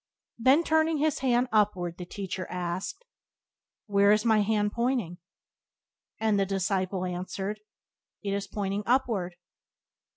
Then, turning His hand upward, the Teacher asked: "Where now is my hand pointing?" And the disciple answered: "It is pointing upward."